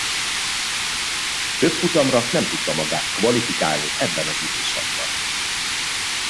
Több futamra nem tudta magát kvalifikálni ebben az időszakban.